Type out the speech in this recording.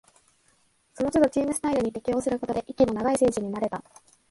そのつどチームスタイルに適応することで、息の長い選手になれた